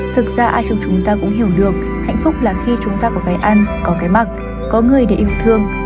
thực ra ai trong chúng ta cũng hiểu được hạnh phúc là khi chúng ta có cái ăn có cái mặc có người để yêu thương